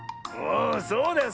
そうだよ。